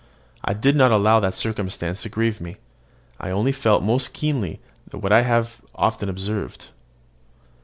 I did not allow that circumstance to grieve me: I only felt most keenly what I have often before observed.